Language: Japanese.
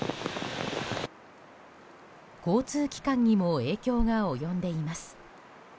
交通機関にも影響が及んでいます。